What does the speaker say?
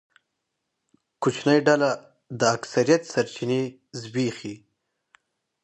کوچنۍ ډله د اکثریت سرچینې زبېښي.